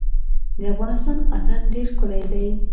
د افغانستان اتن ډیر ښکلی دی